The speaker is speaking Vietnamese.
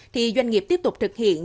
thì doanh nghiệp tiếp tục thực hiện